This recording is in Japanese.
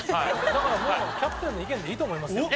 だからキャプテンの意見でいいと思いますよ。